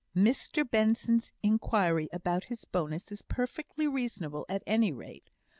"Mr Benson's inquiry about his bonus is perfectly reasonable, at any rate."